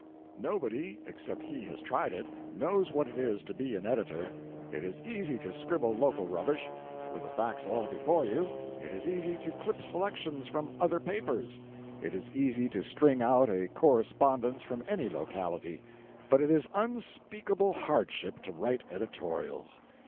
Nobody, except he has tried it, knows what it is to be an editor. It is easy to scribble local rubbish, with the facts all before you; it is easy to clip selections from other papers; it is easy to string out a correspondence from any locality; but it is unspeakable hardship to write editorials.